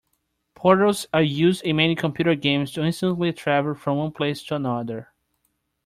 Portals are used in many computer games to instantly travel from one place to another.